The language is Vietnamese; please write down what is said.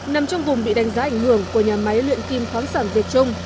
nằm trong vùng bị đánh giá ảnh hưởng của nhà máy luyện kim khoáng sản việt trung